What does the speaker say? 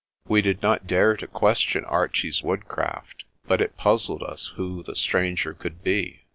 We did not dare to question Archie's woodcraft, but it puzzled us who the stranger could be.